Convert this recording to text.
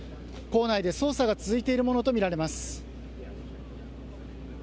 校内で捜査が続いているものと見られます。